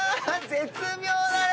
絶妙だね！